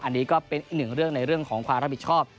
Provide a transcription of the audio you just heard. อันนี้ก็เป็นอีกหนึ่งเรื่องในเรื่องของความรับผิดชอบ